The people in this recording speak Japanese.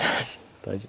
大丈夫。